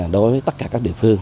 đối với tất cả các địa phương